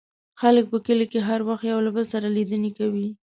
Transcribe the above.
خلک په کلي کې هر وخت یو بل سره لیدنې کوي.